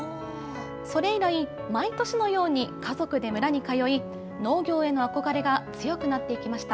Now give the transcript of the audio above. それ以来、毎年のように家族で村に通い、農業への憧れが強くなっていきまし